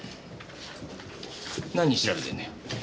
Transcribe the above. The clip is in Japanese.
何調べてんだよ？